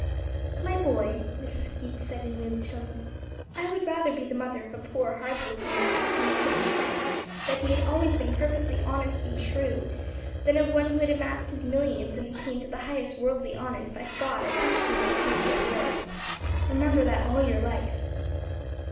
"My boy," Mrs. Keith said in moved tones, "I would rather be the mother of a poor hard working man of whom it could be said that he had always been perfectly honest and true, than of one who had amassed his millions and attained to the highest worldly honors by fraud or questionable deeds or words. Remember that all your life."